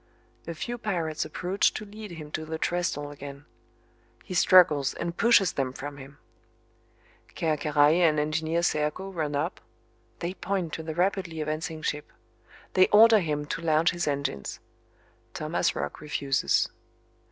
A few pirates approach to lead him to the trestle again. He struggles and pushes them from him. Ker Karraje and Engineer Serko run up. They point to the rapidly advancing ship. They order him to launch his engines. Thomas Roch refuses.